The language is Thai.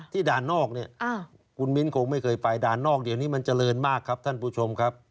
ด่านนอกเนี่ยคุณมิ้นคงไม่เคยไปด่านนอกเดี๋ยวนี้มันเจริญมากครับท่านผู้ชมครับ